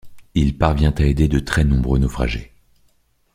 Il parvient à aider de très nombreux naufragés.